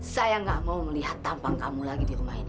saya gak mau melihat tampang kamu lagi di rumah ini